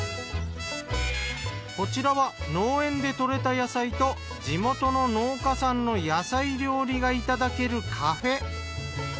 こちらは農園で採れた野菜と地元の農家さんの野菜料理がいただけるカフェ。